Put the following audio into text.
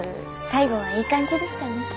最後はいい感じでしたね。